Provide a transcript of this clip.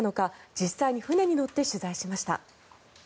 実際に船に乗って取材しました。